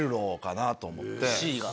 Ｃが？